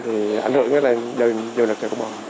thì ảnh hưởng đến đời vô lực cho công an